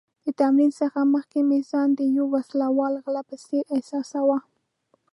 د تمرین څخه مخکې مې ځان د یو وسله وال غله په څېر احساساوه.